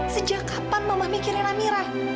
sejak kapan mama mikirin amira